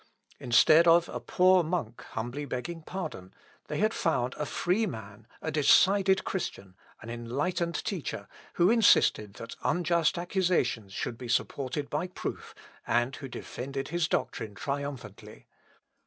Instead of a poor monk humbly begging pardon, they had found a free man, a decided Christian, an enlightened teacher, who insisted that unjust accusations should be supported by proof, and who defended his doctrine triumphantly.